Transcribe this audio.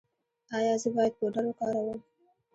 ایا زه باید پوډر وکاروم؟